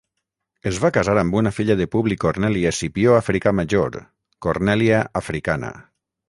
Es va casar amb una filla de Publi Corneli Escipió Africà Major, Cornèlia Africana.